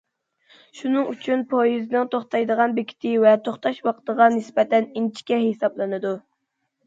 شۇنىڭ ئۈچۈن پويىزنىڭ توختايدىغان بېكىتى ۋە توختاش ۋاقتىغا نىسبەتەن ئىنچىكە ھېسابلىنىلىدۇ.